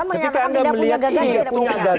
ketika anda melihat itu